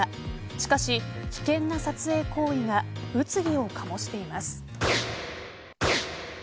しかし、危険な撮影行為が物議を醸しています。